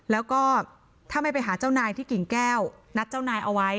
แล้วก็ถ้าไม่ไปหาเจ้านายที่กิ่งแก้วนัดเจ้านายเอาไว้